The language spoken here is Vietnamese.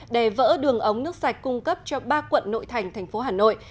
đè vỡ đường ống nước sạch cung cấp cho ba quận nội thành thành phố hà nội